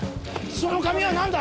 その紙はなんだ？